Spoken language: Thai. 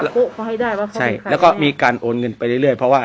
จับโป๊ะเขาให้ได้ว่าใช่แล้วก็มีการโอนเงินไปเรื่อยเรื่อยเพราะว่า